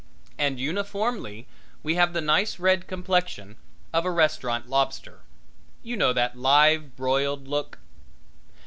And uniformly we have the nice red complexion of a restaurant lobster. You know that live broiled look?